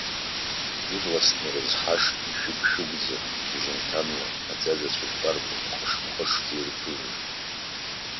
Ирласны ирызҳашт, ишәыгә-шәыгәӡа, шьыжьымҭанла аӡаӡа цәыкәбарқәа пҟыш-пҟышӡа ирықәыжж.